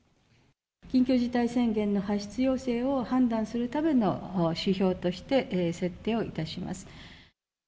緊急事態宣言の発出要請を判断するための指標として設定をいたします。